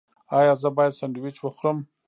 ایا زه باید سنډویچ وخورم؟